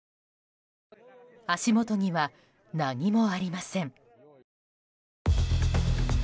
足元には何もありません。